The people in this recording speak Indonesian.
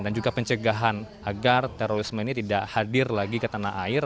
dan juga pencegahan agar terorisme ini tidak hadir lagi ke tanah air